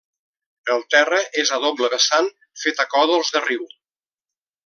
El terra és a doble vessant fet de còdols de riu.